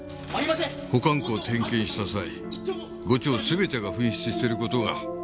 保管庫を点検した際５丁全てが紛失している事が判明した。